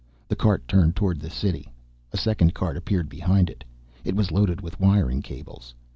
The cart turned toward the city. A second cart appeared behind it. It was loaded with wiring cables.